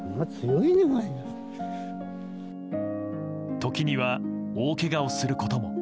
時には大けがをすることも。